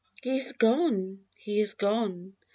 28 HE is gone ! He is gone